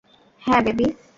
হ্যা, বেবি?